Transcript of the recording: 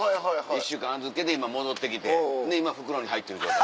１週間預けて今戻ってきてで今袋に入ってる状態。